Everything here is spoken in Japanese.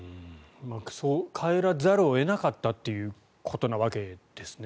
帰らざるを得なかったということなわけですね。